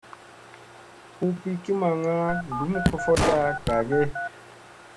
Hu pikki maŋga ɗum kofoɗta gage ?